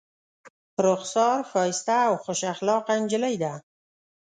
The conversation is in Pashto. رخسار ښایسته او خوش اخلاقه نجلۍ ده.